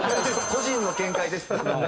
「個人の見解です」って。